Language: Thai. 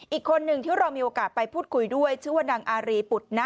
อีกคนนึงที่เรามีโอกาสไปพูดคุยด้วยชื่อว่านางอารีปุฏนะ